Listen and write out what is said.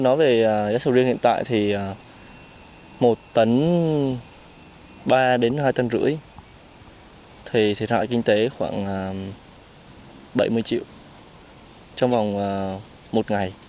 nói về giá sầu riêng hiện tại thì một tấn ba đến hai tấn rưỡi thì thiệt hại kinh tế khoảng bảy mươi triệu trong vòng một ngày